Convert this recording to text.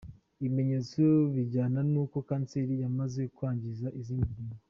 Ibimenyetso bijyana n’uko kanseri yamaze kwangiza izindi ngingo.